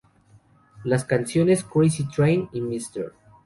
Las canciones "Crazy Train" y "Mr.